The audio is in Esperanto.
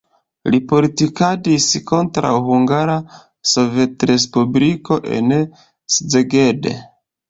Li politikadis kontraŭ Hungara Sovetrespubliko en Szeged.